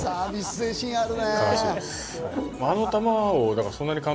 精神あるね！